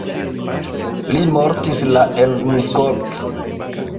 Li mortis la en Miskolc.